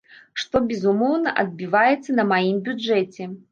Што, безумоўна, адбіваецца на маім бюджэце.